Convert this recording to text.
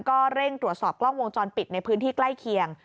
ก็เร่งตรวจสอบกล้องวงจรปิดในพื้นที่ใกล้เคียง